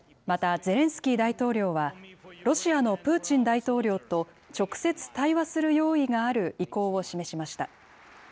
また、ゼレンスキー大統領はロシアのプーチン大統領と直接対話する用意がある意向を示しました。